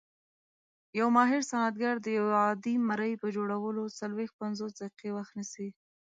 یو ماهر صنعتګر د یوې عاجي مرۍ په جوړولو څلويښت - پنځوس دقیقې وخت نیسي.